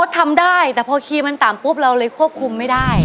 ทำได้แต่พอคีย์มันต่ำปุ๊บเราเลยควบคุมไม่ได้